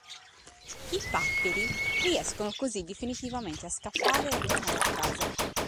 I paperi riescono così definitivamente a scappare ed a tornare a casa.